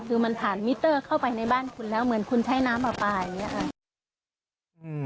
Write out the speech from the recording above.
คือมันผ่านมิเตอร์เข้าไปในบ้านคุณแล้วเหมือนคุณใช้น้ำปลาปลาอย่างนี้ค่ะ